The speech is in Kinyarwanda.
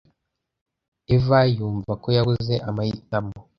eva yumva ko yabuze amahitamo